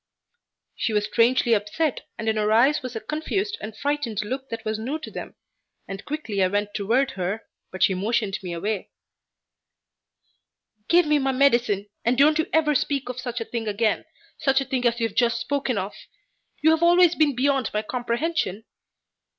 She was strangely upset and in her eyes was a confused and frightened look that was new to them, and quickly I went toward her, but she motioned me away. "Give me my medicine, and don't ever speak of such a thing again such a thing as you have just spoken of! You have always been beyond my comprehension."